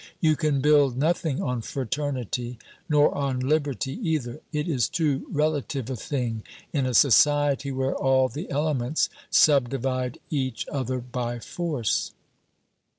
You can build nothing on fraternity. Nor on liberty, either; it is too relative a thing in a society where all the elements subdivide each other by force.